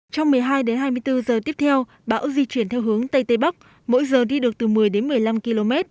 trong một mươi hai đến hai mươi bốn giờ tiếp theo bão di chuyển theo hướng tây tây bắc mỗi giờ đi được từ một mươi đến một mươi năm km